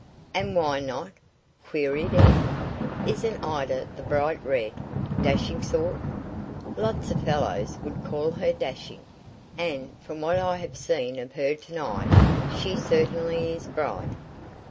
"And why not?" queried Ed. "Isn't Ida the bright red, dashing sort? Lots of fellows would call her dashing, and, from what I have seen of her to night, she certainly is bright."